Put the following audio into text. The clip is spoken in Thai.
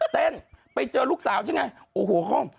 เต้นไปเจอลูกสาวใช่ไง